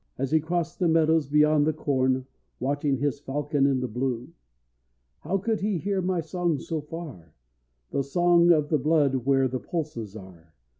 _ As he crossed the meadows beyond the corn, Watching his falcon in the blue. How could he hear my song so far, The song of the blood where the pulses are!